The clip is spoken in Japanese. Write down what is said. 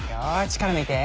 力抜いて。